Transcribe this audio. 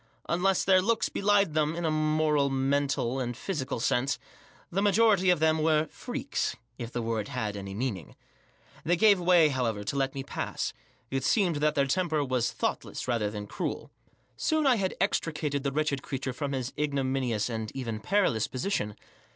Unless their looks belied them, in a moral, mental, and physical sense, the majority of them were freaks," if the word had any meaning. They gave way* however, to let me pass ; it seemed that their temper was thoughtless rather than cruel. Spon I had extricated the wretched creature from his ignominious^ and even perilous, position.